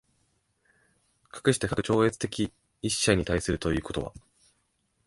而して、かく超越的一者に対するということは、